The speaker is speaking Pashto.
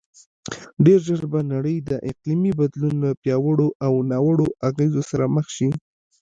ډېرژر به نړی د اقلیمې بدلون له پیاوړو او ناوړو اغیزو سره مخ شې